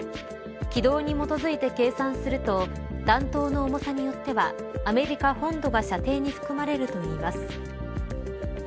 軌道に基づいて計算すると弾道の重さによってはアメリカ本土が射程に含まれるといいます。